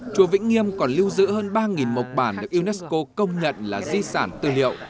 chùa vĩnh nghiêm còn lưu giữ hơn ba mộc bản được unesco công nhận là di sản tư liệu